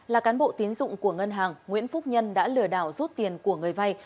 là cán bộ tiến dụng của ngân hàng nguyễn phúc nhân đã lừa đảo rút tiền của người vay